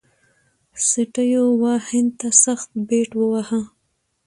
سټیو وا هند ته سخت بیټ وواهه.